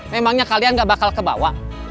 memangnya kalian gak bakal kebawa